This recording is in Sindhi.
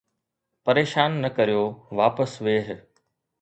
پريشان نه ڪريو، واپس ويھ